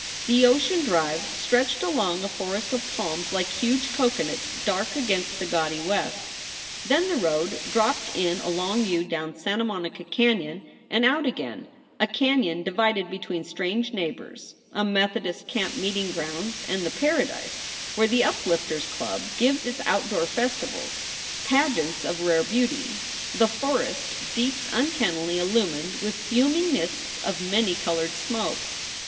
The Ocean Drive stretched along a forest of palms like huge coconuts dark against the gaudy west. Then the road dropped in a long U down Santa Monica Canon and out again a canon divided between strange neighbors, a Methodist camp meeting grounds and the paradise where the Uplifters Club gives its outdoor festivals, pageants of rare beauty, the forest deeps uncannily illumined with fuming mists of many colored smoke.